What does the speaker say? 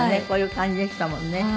こういう感じでしたもんね。